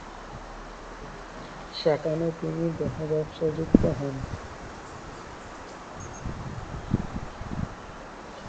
সেখানে তিনি দেহব্যবসায় যুক্ত হন।